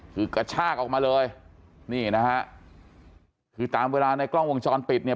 คือกระชากออกมาเลยนี่นะฮะคือตามเวลาในกล้องวงจรปิดเนี่ย